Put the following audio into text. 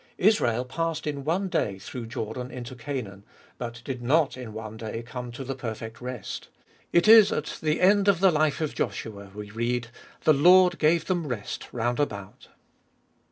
Israel passed in one day through Jordan into Canaan, but did not in one day come to the perfect rest. It is at the end of the life of Joshua we read, " The Lord gave them rest round about."